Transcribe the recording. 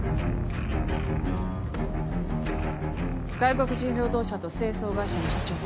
外国人労働者と清掃会社の社長は？